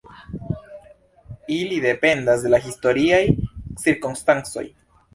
Ili dependas de la historiaj cirkonstancoj.